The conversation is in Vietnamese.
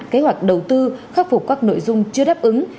kế hoạch đầu tư khắc phục các nội dung chưa đáp ứng